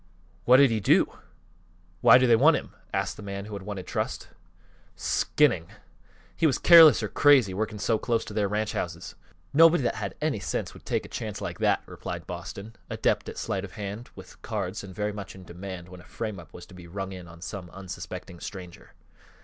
"What did he do? Why do they want him?" asked the man who had wanted trust. "Skinning. He was careless or crazy, working so close to their ranch houses. Nobody that had any sense would take a chance like that," replied Boston, adept at sleight of hand with cards and very much in demand when a frame up was to be rung in on some unsuspecting stranger.